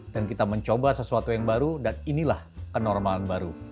dan kita mencoba sesuatu yang baru dan inilah kenormalan baru